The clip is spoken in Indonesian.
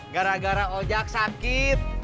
gara gara ojak sakit